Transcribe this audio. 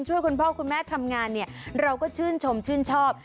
คุณพ่อคุณแม่ทำงานเนี่ยเราก็ชื่นชมชื่นชอบ